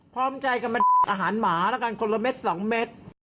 พร้อมใจกันเป็นอาหารหมาแล้วกันคนละเม็ดสองเม็ด